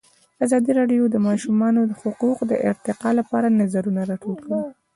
ازادي راډیو د د ماشومانو حقونه د ارتقا لپاره نظرونه راټول کړي.